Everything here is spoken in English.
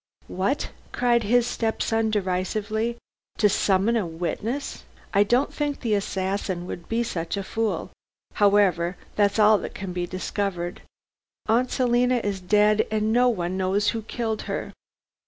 "What!" cried his step son derisively, "to summon a witness. I don't think the assassin would be such a fool. However, that's all that can be discovered. Aunt Selina is dead, and no one knows who killed her."